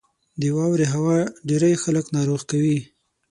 • د واورې هوا ډېری خلک ناروغ کوي.